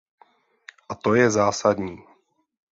A to je zásadní.